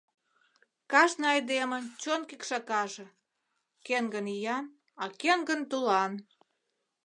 Кажне айдемын чон кӱкшакаже Кӧн гын иян, а кӧн гын тулан.